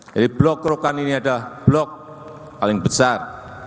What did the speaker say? jadi blok rokan ini adalah blok paling besar